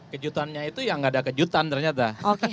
kejutannya itu ya nggak ada kejutan ternyata